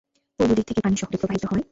পূর্ব দিক থেকে পানি শহরে প্রবাহিত হয়।